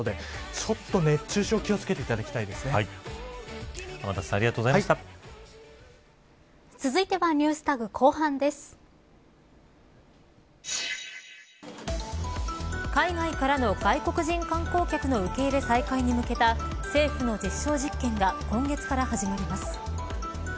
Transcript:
熱中症ちょっと気を付けて天達さん続いては海外からの外国人観光客の受け入れ再開に向けた政府の実証実験が今月から始まります。